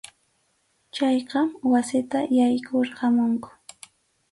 Chayqa wasita yaykurqamunku.